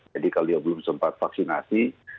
jadi kalau dia belum sempat vaksinasi